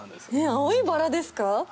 青いバラですか？